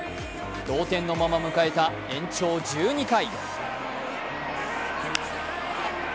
同点のまま迎えた延長１２回。